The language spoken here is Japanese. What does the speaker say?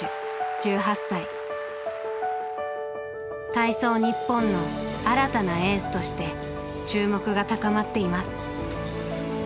体操日本の新たなエースとして注目が高まっています。